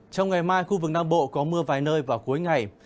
trong ngày mai khu vực nam bộ có mưa vài nơi vào cuối ngày